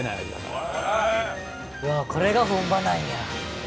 うわあこれが本場なんや。